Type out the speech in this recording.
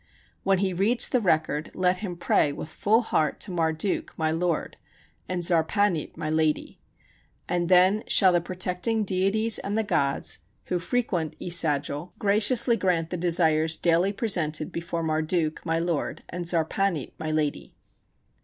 When he reads the record, let him pray with full heart to Marduk, my lord, and Zarpanit, my lady; and then shall the protecting deities and the gods, who frequent E Sagil, graciously grant the desires daily presented before Marduk, my lord, and Zarpanit, my lady.